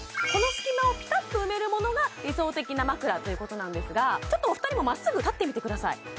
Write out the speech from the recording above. この隙間をピタッと埋めるものが理想的な枕ということなんですがちょっとお二人もまっすぐ立ってみてください